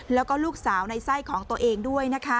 แล้วก็ลูกสาวในไส้ของตัวเองด้วยนะคะ